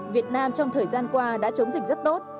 việt nam trong thời gian qua đã chống dịch rất tốt